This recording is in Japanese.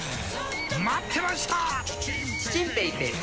待ってました！